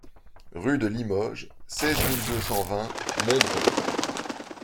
Rue de Limoges, seize mille deux cent vingt Montbron